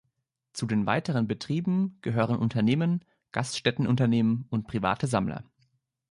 Zu den weiteren Betrieben gehören Unternehmen, Gaststättenunternehmen und private Sammler.